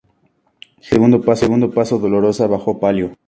En el segundo paso dolorosa bajo palio.